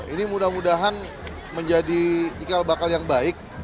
ini mudah mudahan menjadi ikal bakal yang baik